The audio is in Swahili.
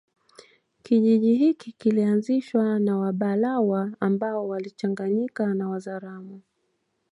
Kijiji hiki kilianzishwa na Wabalawa ambao walichanganyika na Wazaramo